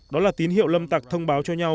đó là tín hiệu lâm tặc thông báo cho nhau